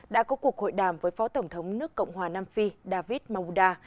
đã có cuộc hội đàm với phó tổng thống nước cộng hòa nam phi david mabuda